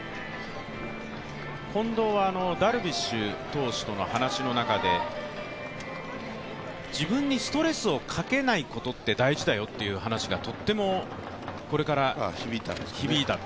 近藤はダルビッシュ投手との話の中で、自分にストレスをかけないことって大事だよという話がとっても響いた。